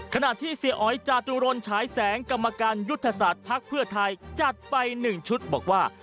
ขณะที่เสียอ๋อยจาตุรนฉายแสงกรรมการยุทธศาสตร์ภักดิ์เพื่อไทยจัดไป๑ชุดบอกว่า